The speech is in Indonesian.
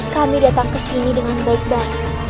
kami datang kesini dengan baik sekali